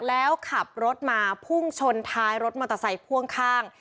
แล้วขับรถมาพุ่งชนท้ายรถมอเตอร์ไซค์พ่วงข้าง